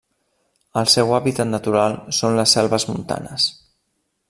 El seu hàbitat natural són les selves montanes.